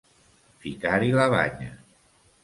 Ficar-hi la banya.